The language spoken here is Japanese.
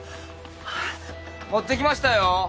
持ってきましたよ。